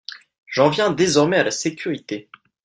J’en viens désormais à la sécurité.